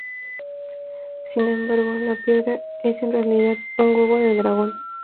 Sin embargo, la piedra es en realidad un huevo de dragón.